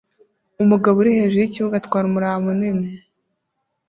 Umugabo uri hejuru yikibuga atwara umuraba munini